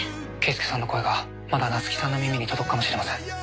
「圭介さんの声がまだ夏希さんの耳に届くかもしれません。